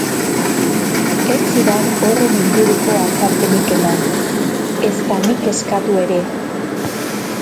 Ez zidan horren inguruko azalpenik eman, ezta nik eskatu ere.